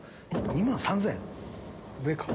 ２万３０００⁉上か。